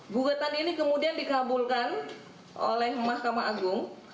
gugatan ini kemudian dikabulkan oleh mahkamah agung